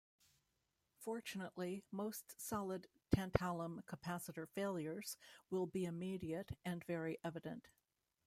Fortunately, most solid tantalum capacitor failures will be immediate and very evident.